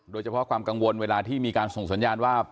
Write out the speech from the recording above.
โดยเฉพาะความกังวลเวลาที่มีการส่งสัญญาณว่า